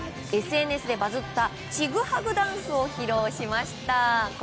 ＳＮＳでバズったチグハグダンスを披露しました。